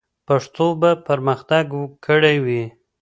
پښتو به پرمختګ کړی وي.